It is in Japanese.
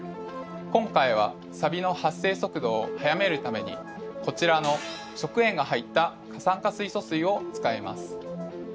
今回はサビの発生速度を速めるためにこちらの食塩が入った過酸化水素水を使います。